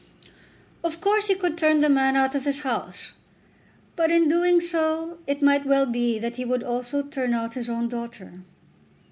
Of course he could turn the man out of his house, but in so doing it might well be that he would also turn out his own daughter.